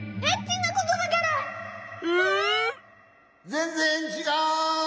ぜんぜんちがう！